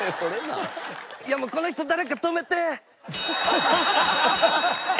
いやもうこの人誰か止めて！